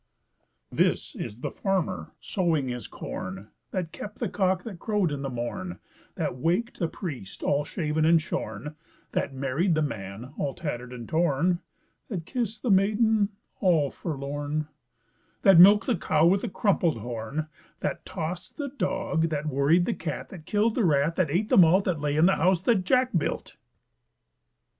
This is the Cock that crowed in the morn That waked the Priest all shaven and shorn, That married the Man all tattered and torn, That kissed the Maiden all forlorn, That milked the Cow with the crumpled horn, That tossed the Dog, That worried the Cat, That killed the Rat, That ate the Malt, That lay in the House that Jack built.